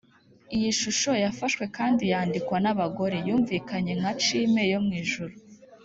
iyi shusho yafashwe kandi yandikwa nabagore yumvikanye nka chime yo mwijuru.